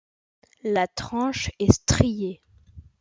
La tranche est striée.